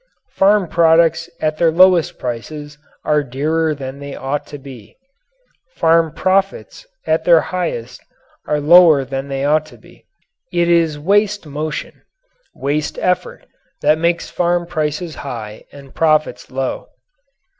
Farm products at their lowest prices are dearer than they ought to be. Farm profits at their highest are lower than they ought to be. It is waste motion waste effort that makes farm prices high and profits low.